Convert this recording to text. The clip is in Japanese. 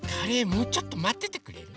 もうちょっとまっててくれる？